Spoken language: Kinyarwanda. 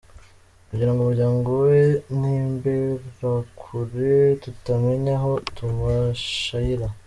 kugirango umuryango we n’Imberakuri tutamenya aho tumushaira.